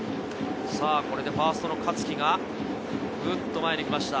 これでファーストの香月がぐっと前に来ました。